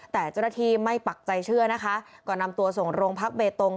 แต่เจ้าหน้าที่ไม่ปักใจเชื่อนะคะก็นำตัวส่งโรงพักเบตง